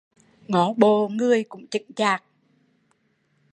Ngó bộ người cũng chững chạc